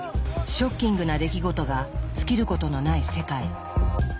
ショッキングな出来事が尽きることのない世界。